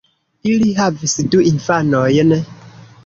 Ili havis du infanojn.